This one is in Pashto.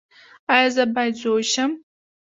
ایا زه باید زوی شم؟